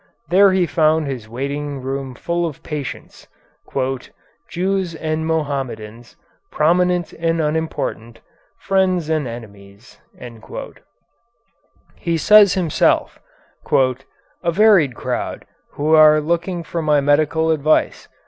There he found his waiting room full of patients, "Jews and Mohammedans, prominent and unimportant, friends and enemies," he says himself, "a varied crowd, who are looking for my medical advice.